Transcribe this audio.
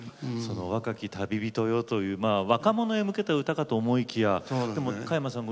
若き旅人よ、という若者へ向けた歌かと思いきや加山さん